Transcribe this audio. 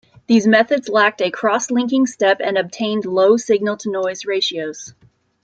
These methods lacked a cross-linking step and obtained low signal to noise ratios.